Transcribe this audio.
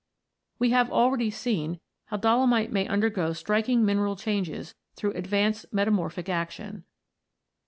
We have already seen (p. 35) how dolomite may undergo striking mineral changes through advanced metamorphic action.